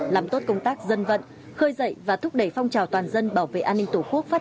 làm tốt công tác dân vận khơi dậy và thúc đẩy phong trào toàn dân bảo vệ an ninh tổ quốc phát